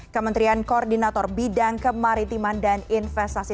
kementerian koordinator bidang kemaritiman dan investasi